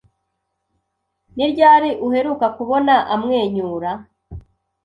Ni ryari uheruka kubona amwenyura?